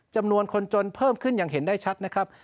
จำนวนคนจนเพิ่มขึ้นอย่างเห็นได้ชัดนะครับ